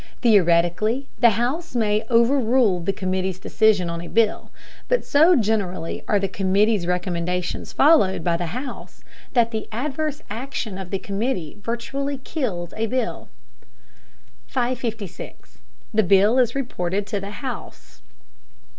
Theoretically the House may overrule the committee's decision on a bill, but so generally are the committee's recommendations followed by the House that the adverse action of the committee virtually kills a bill. 556. THE BILL IS REPORTED TO THE HOUSE.